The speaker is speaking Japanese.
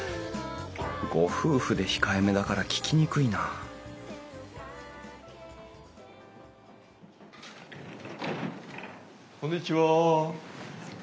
ご夫婦で控えめだから聞きにくいなこんにちは。